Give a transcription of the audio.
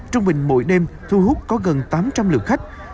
trung bình mỗi đêm thu hút có gần tám trăm linh lượt khách